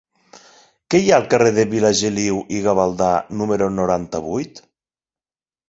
Què hi ha al carrer de Vilageliu i Gavaldà número noranta-vuit?